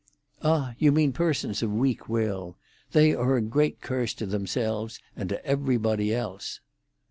"Ah, you mean persons of weak will. They are a great curse to themselves and to everybody else."